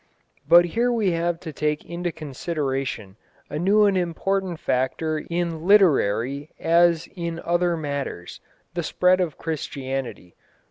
But here we have to take into consideration a new and important factor in literary as in other matters the spread of Christianity.